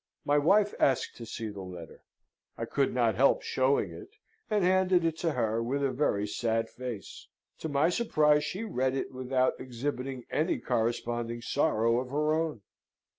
My wife asked to see the letter: I could not help showing it, and handed it to her, with a very sad face. To my surprise she read it, without exhibiting any corresponding sorrow of her own.